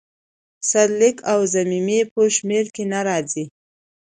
سرلیک او ضمیمې په شمیر کې نه راځي.